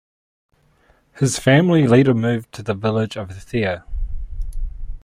His family later moved to the village of Athea.